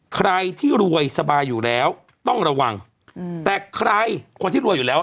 ใครที่รวยสบายอยู่แล้วต้องระวังแต่ใครคนที่รวยอยู่แล้ว